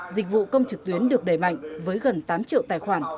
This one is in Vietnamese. dịch vụ công trực tuyến được đẩy mạnh với gần tám triệu tài khoản